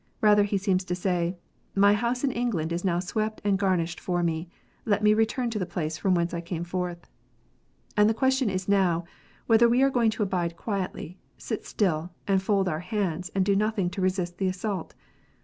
Rather he seems to say, " My house in England is now swept and garnished for me ; let me return to the place from whence I came forth." And the question is now, whether we are going to abide quietly, sit still, and fold our hands, and do nothing to resist the assault.